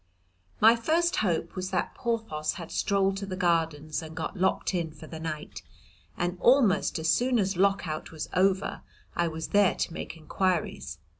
My first hope was that Porthos had strolled to the Gardens and got locked in for the night, and almost as soon as Lock out was over I was there to make inquiries.